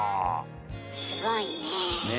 すごいねえ。